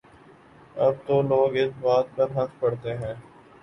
اب تو لوگ اس بات پر ہنس پڑتے ہیں۔